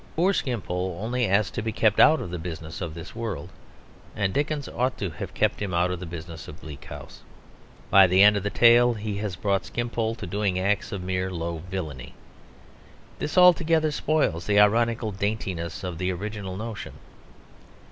Poor Skimpole only asked to be kept out of the business of this world, and Dickens ought to have kept him out of the business of Bleak House. By the end of the tale he has brought Skimpole to doing acts of mere low villainy. This altogether spoils the ironical daintiness of the original notion.